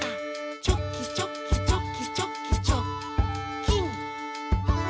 「チョキチョキチョキチョキチョッキン！」